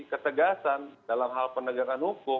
ketegasan dalam hal penegakan hukum